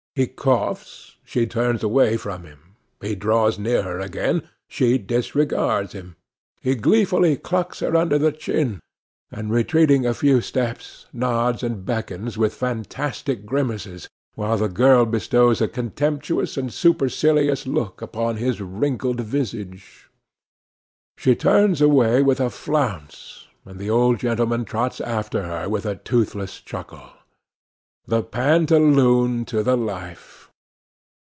He coughs; she turns away from him. He draws near her again; she disregards him. He gleefully chucks her under the chin, and, retreating a few steps, nods and beckons with fantastic grimaces, while the girl bestows a contemptuous and supercilious look upon his wrinkled visage. She turns away with a flounce, and the old gentleman trots after her with a toothless chuckle. The pantaloon to the life!